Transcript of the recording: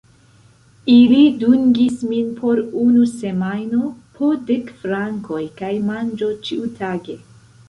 Ili dungis min por unu semajno, po dek frankoj kaj manĝo ĉiutage.